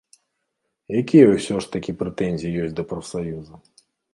Якія ўсё ж такі прэтэнзіі ёсць да прафсаюза?